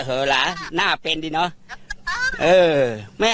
ตอนนั้นข้าถึงสอดล่ะ